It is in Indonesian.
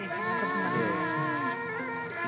terima kasih banyak